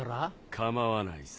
構わないさ。